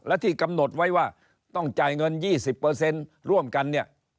และที่กำหนดไว้ว่าต้องจ่ายเงิน๒๐ร่วมกันเนี่ย